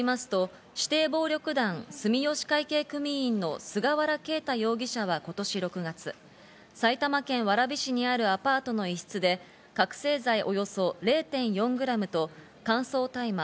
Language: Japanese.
警視庁によりますと、指定暴力団の住吉会系組員の菅原啓太容疑者は今年６月、埼玉県蕨市にあるアパートの一室で、覚醒剤およそ０．４グラムと乾燥大麻